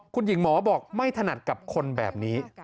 คุณหญิงหมอบอกไม่ถนัดกับคนแบบนี้